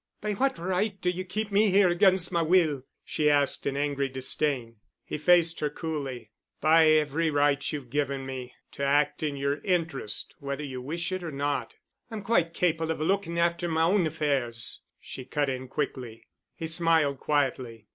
"By what right do you keep me here against my will?" she asked in angry disdain. He faced her coolly. "By every right you've given me—to act in your interest whether you wish it or not." "I'm quite capable of looking after my own affairs," she cut in quickly. He smiled quietly.